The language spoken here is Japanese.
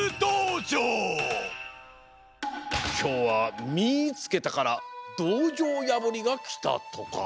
きょうは「みいつけた！」からどうじょうやぶりがきたとか。